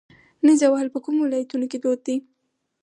نیزه وهل په کومو ولایتونو کې دود دي؟